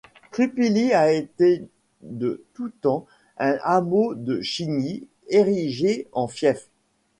Crupilly a été de tout temps un hameau de Chigny érigé en fief.